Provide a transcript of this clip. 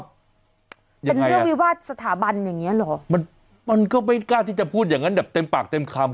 เป็นเรื่องวิวาสสถาบันอย่างเงี้เหรอมันมันก็ไม่กล้าที่จะพูดอย่างนั้นแบบเต็มปากเต็มคำ